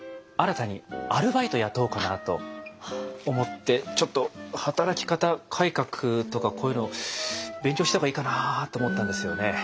新たにアルバイト雇おうかなと思ってちょっと「働き方改革」とかこういうの勉強した方がいいかなあと思ったんですよね。